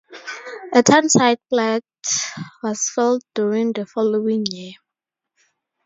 A townsite plat was filed during the following year.